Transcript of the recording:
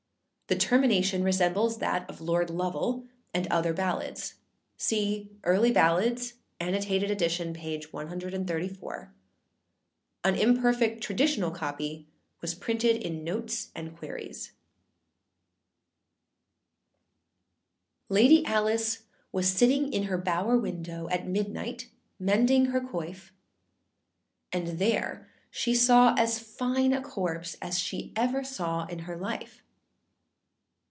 The termination resembles that of Lord Lovel and other ballads. See Early Ballads, Ann. Ed. p. 134. An imperfect traditional copy was printed in Notes and Queries.] LADY ALICE was sitting in her bower window, At midnight mending her quoif; And there she saw as fine a corpse As ever she saw in her life.